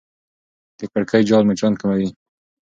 د کړکۍ جال مچان کموي.